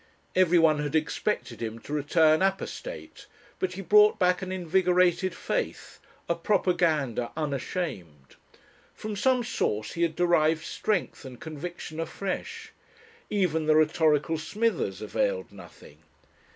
Everyone had expected him to return apostate, but he brought back an invigorated faith, a propaganda unashamed. From some source he had derived strength and conviction afresh. Even the rhetorical Smithers availed nothing.